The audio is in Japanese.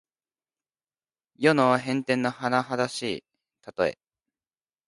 世の変転のはなはだしいたとえ。